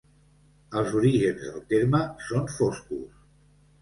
Els orígens del terme són foscos.